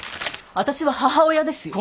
私は母親ですよ？